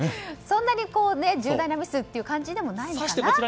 そんなに重大なミスという感じでもいないかな。